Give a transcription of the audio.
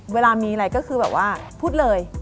เวลามีอะไรก็คือแบบว่าพูดเลย